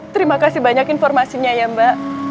terimakasih banyak informasinya ya mbak